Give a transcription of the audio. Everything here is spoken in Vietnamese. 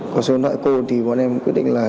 có số loại cô thì bọn em quyết định là